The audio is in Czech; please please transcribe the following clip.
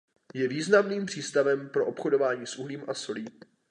Je významným přístavem pro obchodování s uhlím a solí.